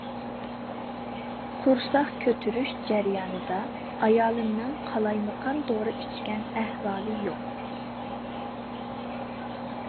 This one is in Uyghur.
قۇرساق كۆتۈرۈش جەريانىدا ئايالىمنىڭ قالايمىقان دورا ئىچكەن ئەھۋالى يوق.